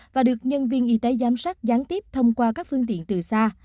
và được nhân viên y tế giám sát gián tiếp thông qua các phương tiện từ xa